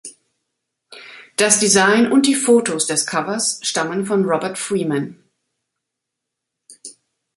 Das Design und die Fotos des Covers stammen von Robert Freeman.